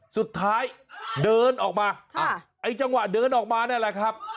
สุดท้ายเดินออกมาไอ้จังหวะเดินออกมานั่นแหละครับ